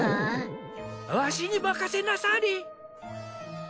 わしに任せなされ。